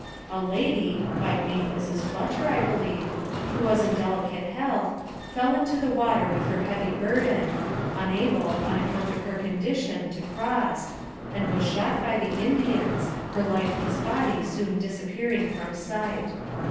A lady (by name Mrs. Fletcher, I believe), who was in delicate health, fell into the water with her heavy burden, unable, on account of her condition, to cross, and was shot by the Indians, her lifeless body soon disappearing from sight.